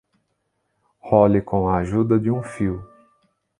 Role com a ajuda de um fio.